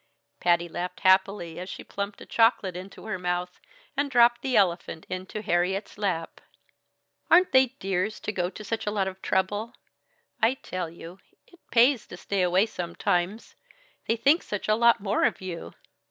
Patty laughed happily as she plumped a chocolate into her mouth, and dropped the elephant into Harriet's lap. "Aren't they dears to go to such a lot of trouble? I tell you, it pays to stay away sometimes, they think such a lot more of you!